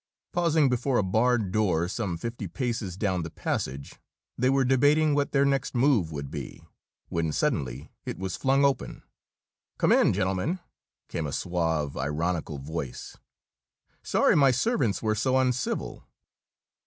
Pausing before a barred door some fifty paces down the passage, they were debating what their next move would be when suddenly it was flung open. "Come in, gentlemen," came a suave, ironical voice. "Sorry my servants were so uncivil."